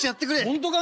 本当か！？